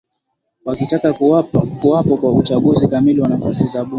wakitaka kuwapo kwa uchaguzi kamili wa nafasi za bunge